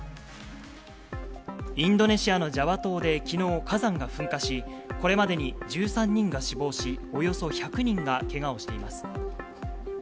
インドネシアのジャワ島できのう、火山が噴火し、これまでに１３人が死亡し、およそ１００人がけがをしています。